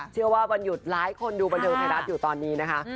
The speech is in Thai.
เชื่อว่าวันหยุดหลายคนดูบันทึงไทยรัฐอยู่ตอนนี้นะคะ